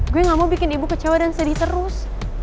gue gak mau bikin ibu kecewa dan sedih terus